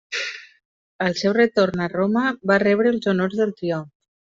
Al seu retorn a Roma va rebre els honors del triomf.